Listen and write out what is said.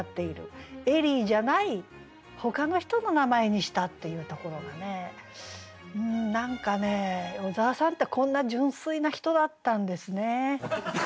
エリーじゃないほかの人の名前にしたっていうところが何かね小沢さんってこんな純粋な人だったんですね。